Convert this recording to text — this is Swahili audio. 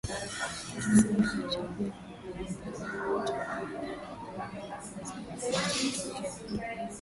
Kisiwa hicho pia ni maarufu kwa utalii wa Kobe wakubwa zaidi kuwahi kutokea